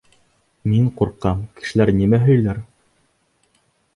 Мин ҡурҡам, кешеләр әллә нимә һөйләр...